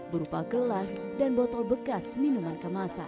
berupa gelas dan botol bekas minuman kemasan